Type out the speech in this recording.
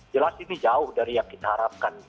jelas ini jauh dari yang kita harapkan